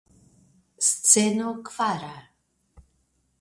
Sceno kvara.